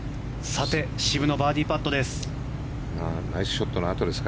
さて、渋野バーディーパットです。